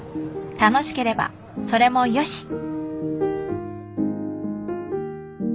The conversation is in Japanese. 楽しければそれもよし。